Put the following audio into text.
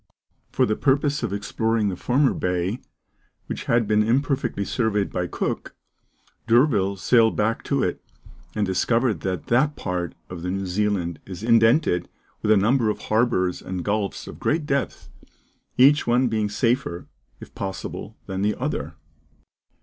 For the purpose of exploring the former bay, which had been imperfectly surveyed by Cook, D'Urville sailed back to it, and discovered that that part of New Zealand is indented with a number of harbours and gulfs of great depth, each one being safer, if possible, than the other.